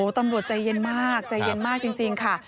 ตำรวจใจเย็นมากใจเย็นมากจริงค่ะ